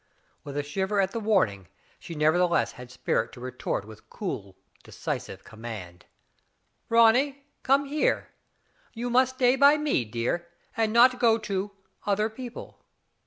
With a shiver at the warning, she nevertheless had spirit to retort with cool, decisive command : Ronny, come here. You must stay by me, dear, and not go to — other people.